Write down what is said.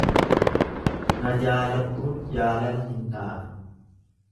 Na jaaladhuun jaalala hin taatu.